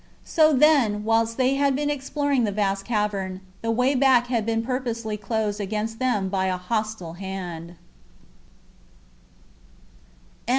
So, then, whilst they had been exploring the vast cavern, the way back had been purposely closed against them by a hostile hand.